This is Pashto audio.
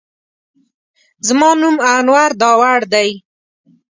زما نوم انور داوړ دی.